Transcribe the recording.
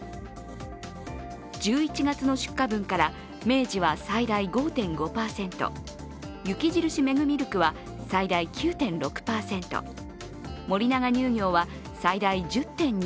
１１月の出荷分から明治は最大５．５％雪印メグミルクは最大９．６％、森永乳業は最大１０．２％